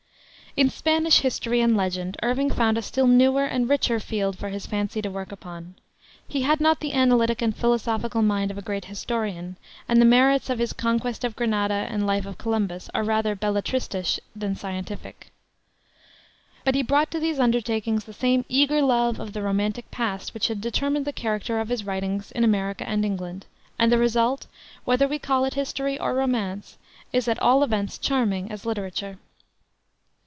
In Spanish history and legend Irving found a still newer and richer field for his fancy to work upon. He had not the analytic and philosophical mind of a great historian, and the merits of his Conquest of Granada and Life of Columbus are rather belletristisch than scientific. But he brought to these undertakings the same eager love of the romantic past which had determined the character of his writings in America and England, and the result whether we call it history or romance is at all events charming as literature.